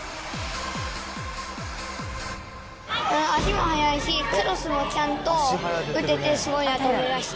足も速いし、クロスもちゃんと打てて、すごいなと思いました。